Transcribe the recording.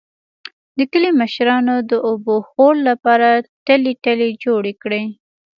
د کلي مشرانو د اوبهخور لپاره ټلۍ ټلۍ جوړې کړې.